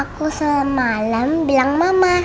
aku selama malam bilang mama